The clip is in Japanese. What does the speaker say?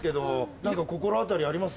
何か心当たりあります？